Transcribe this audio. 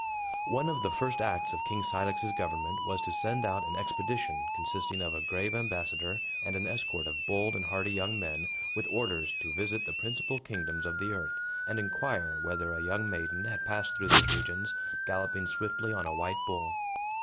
One of the first acts of King Cilix's government was to send out an expedition, consisting of a grave ambassador, and an escort of bold and hardy young men, with orders to visit the principal kingdoms of the earth, and inquire whether a young maiden had passed through those regions, galloping swiftly on a white bull.